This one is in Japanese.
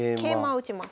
打ちます。